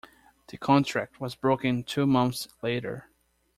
The contract was broken two months later.